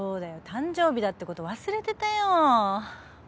誕生日だってこと忘れてたよ。